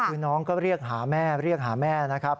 คือน้องก็เรียกหาแม่เรียกหาแม่นะครับ